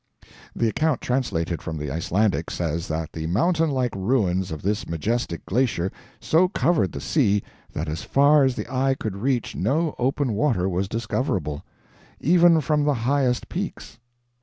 The account translated from the Icelandic says that the mountainlike ruins of this majestic glacier so covered the sea that as far as the eye could reach no open water was discoverable, even from the highest peaks.